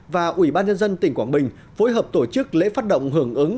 và ủy ban nhân dân tỉnh quảng bình phối hợp tổ chức lễ phát động hưởng ứng